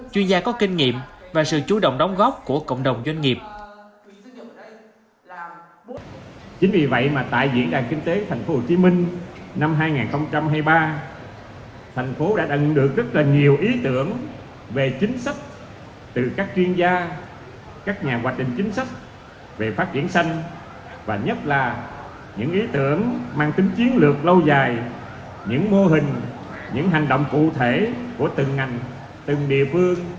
chuyên gia có kinh nghiệm và sự chú động đóng góp của cộng đồng doanh nghiệp